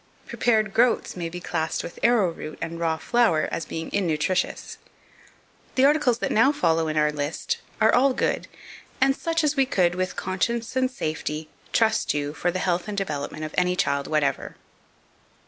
Prepared groats may be classed with arrowroot and raw flour, as being innutritious. The articles that now follow in our list are all good, and such as we could, with conscience and safety, trust to for the health and development of any child whatever.